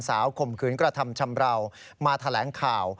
ข่มขืนกระทำชำราวมาแถลงข่าว